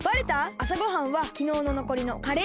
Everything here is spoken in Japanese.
あさごはんはきのうののこりのカレーでした。